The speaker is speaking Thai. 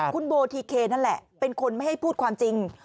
คุณโบทีเคนั่นแหละเป็นคนไม่ให้พูดความจริง